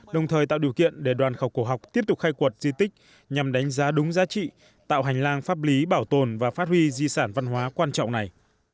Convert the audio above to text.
đồng thời tạo điều kiện để đoàn khảo cổ học tiếp tục khai quật di tích nhằm đánh giá đúng giá trị tạo hành lang pháp lý bảo tồn và phát huy di sản văn hóa quan trọng này